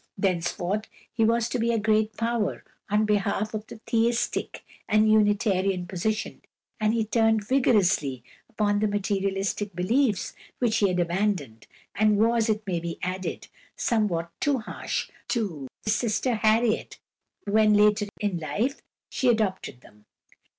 Thenceforth he was to be a great power on behalf of the Theistic and Unitarian position, and he turned vigorously upon the materialistic beliefs which he had abandoned, and was, it may be added, somewhat too harsh to his sister Harriet when, later in life, she adopted them.